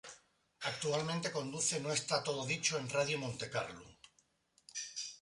Actualmente conduce "No está todo dicho" en Radio Monte Carlo.